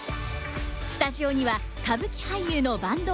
スタジオには歌舞伎俳優の坂東